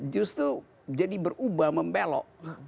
justru jadi berubah membelok